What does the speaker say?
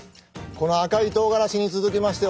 この赤いとうがらしに続きましてはね